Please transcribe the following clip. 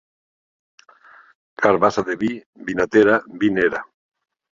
Carbassa de vi, vinatera, vinera.